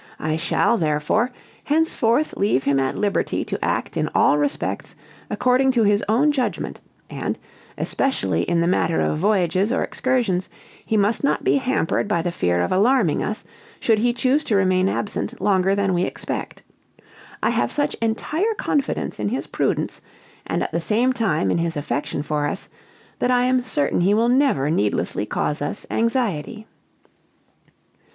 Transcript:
I shall, therefore, henceforth leave him at liberty to act in all respects according to his own judgment; and, especially in the matter of voyages or excursions, he must not be hampered by the fear of alarming us should he choose to remain absent longer than we expect. I have such entire confidence in his prudence, and at the same time in his affection for us, that I am certain he will never needlessly cause us anxiety."